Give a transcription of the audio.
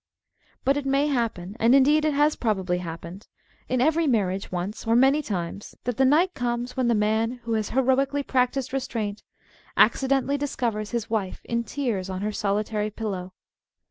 But it may happen, and indeed it has probably hap pened in every marriage once or many times, that the night comes when the man who has heroically prac tised restraint, accidentally discovers his wife in tears on her solitary pillow.